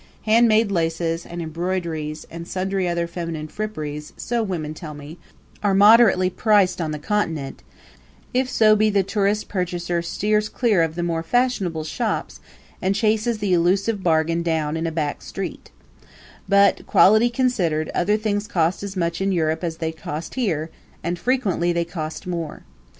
Handmade laces and embroideries and sundry other feminine fripperies, so women tell me, are moderately priced on the Continent, if so be the tourist purchaser steers clear of the more fashionable shops and chases the elusive bargain down a back street; but, quality considered, other things cost as much in Europe as they cost here and frequently they cost more.